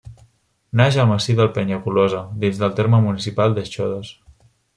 Naix al massís del Penyagolosa, dins del terme municipal de Xodos.